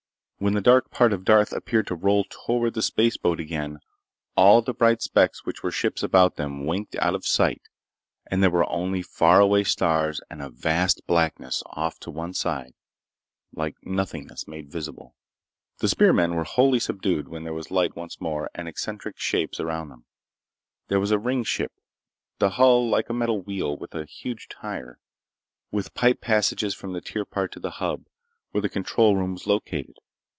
When the dark part of Darth appeared to roll toward the spaceboat again all the bright specks which were ships about them winked out of sight and there were only faraway stars and a vast blackness off to one side like nothingness made visible. The spearmen were wholly subdued when there was light once more and eccentric shapes around them. There was a ring ship—the hull like a metal wheel with a huge tire, with pipe passages from the tire part to the hub where the control room was located.